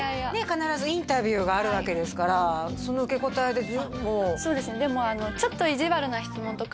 必ずインタビューがあるわけですからその受け答えでもうあっそうですね